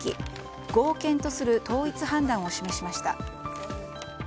合憲とする統一判断を示しました。